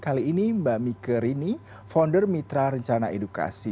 kali ini mbak mika rini founder mitra rencana edukasi